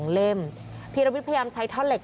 เพราะถูกทำร้ายเหมือนการบาดเจ็บเนื้อตัวมีแผลถลอก